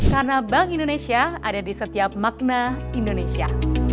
karena bank indonesia ada di setiap makna indonesia